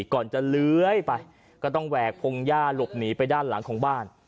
ก่อนจะเลื้อยไปก็ต้องแหวกพงหญ้าหลบหนีไปด้านหลังของบ้าน